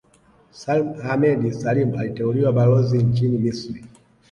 Salim Ahmed Salim aliteuliwa Balozi nchini Misri